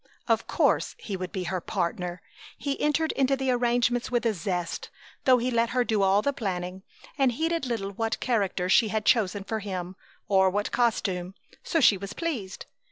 Of course he would be her partner! He entered into the arrangements with a zest, though he let her do all the planning, and heeded little what character she had chosen for him, or what costume, so she was pleased.